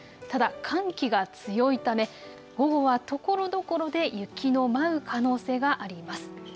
ただ寒気が強いため午後はところどころで雪の舞う可能性があります。